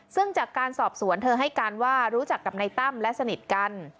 ซึ่งจากการสอบสวนเธอให้การว่ารู้จักกับนายตั้มและสนิทกัน